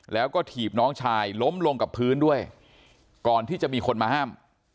แล้วก็ถีบน้องชายล้มลงกับพื้นด้วยก่อนที่จะมีคนมาห้าม